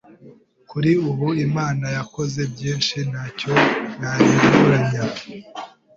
Kuri ubu Imana yakoze byinshi ntacyo nayiburanye